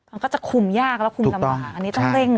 มันก็จะคุมยากแล้วคุมลำบากอันนี้ต้องเร่ง